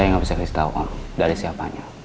saya nggak bisa kasih tahu om dari siapanya